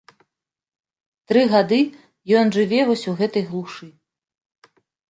Тры гады ён жыве вось у гэтай глушы.